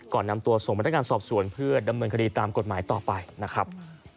ก่อนนำตัวส่งพนักงานสอบสวนเพื่อดำเนินคดีตามกฎหมายต่อไปนะครับ